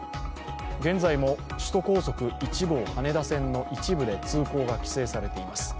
現在も首都高速１号羽田線の一部で通行が規制されています。